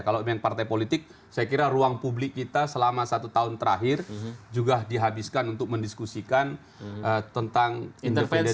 kalau memang partai politik saya kira ruang publik kita selama satu tahun terakhir juga dihabiskan untuk mendiskusikan tentang independensi